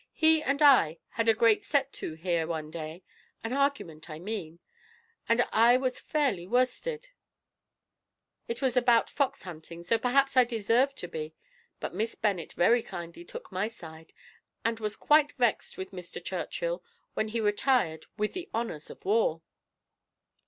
He and I had a great set to here one day an argument, I mean; and I was fairly worsted it was about foxhunting, so perhaps I deserved to be; but Miss Bennet very kindly took my side, and was quite vexed with Mr. Churchill when he retired with the honours of war."